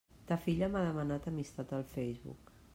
Ta filla m'ha demanat amistat al Facebook.